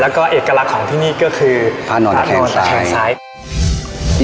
แล้วก็เอกลักษณ์ของที่นี่ก็คือพานอนแทนซ้าย